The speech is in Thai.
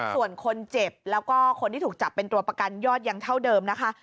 ส่วนคนเจ็บแล้วก็คนที่ถูกจับเป็นตัวประกันยอดยังเท่าเดิมนะคะ